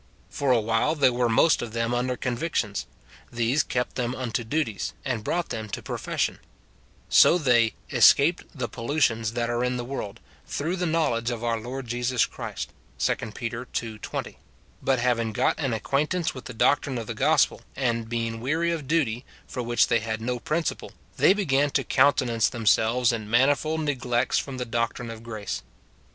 For a while they were most of them under convictions ; these kept them unto duties, and brought them to profession ; so they " escaped the pollutions that are in the world, through the knowledge of our Lord Jesus Christ," 2 Pet. ii. 20 : but having got an acquaintance with the doctrine of the gospel, and being weary of duty, for which they had no principle, they began to countenance themselves in manifold neglects from the doctrine of grace.